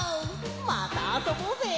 またあそぼうぜ！